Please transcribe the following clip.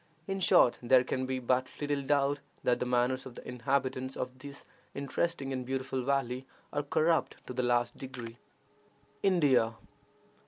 In short, there can be but little doubt that the manners of the inhabitants of this interesting and beautiful valley are corrupt to the last degree. INDIA.